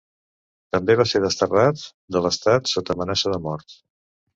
També va ser desterrat de l'estat sota amenaça de mort.